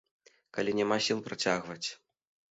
Калі няма сіл працягваць.